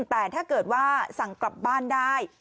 แต่ถ้าเกิดว่าสั่งกลับบ้านได้